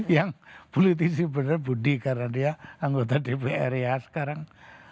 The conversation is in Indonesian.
yang politisi benar budi karena dia anggota dpr ya sekarang